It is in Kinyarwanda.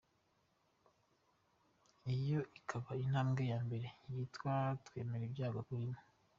Iyo ikaba intambwe ya mbere yitwa kwemera ibyago urimo.